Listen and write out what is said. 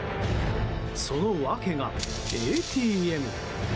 その訳がＡＴＭ。